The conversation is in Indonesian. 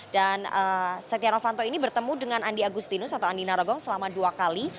dan setia novanto ini bertemu dengan andi agustinus atau andi narogong selama dua kali